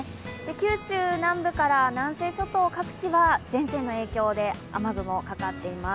九州南部から南西諸島各地は前線の影響で雨雲、かかっています。